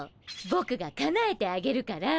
ぼくがかなえてあげるから。